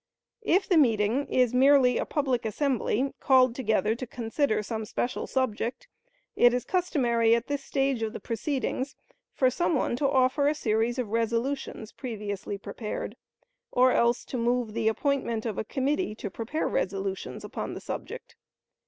If the meeting is merely a public assembly called together to consider some special subject, it is customary at this stage of the proceedings for some one to offer a series of resolutions previously prepared, or else to move the appointment of a committee to prepare resolutions upon the subject.